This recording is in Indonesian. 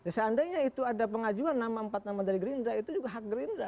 seandainya itu ada pengajuan nama empat nama dari gerindra itu juga hak gerindra